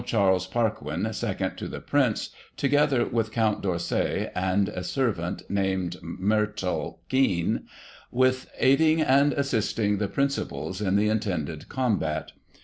Charles Parquin, second to the Prince, together with Count D'Orsay, and a servant, named Mertial Kien, with aiding and assisting the principals in the intended combat.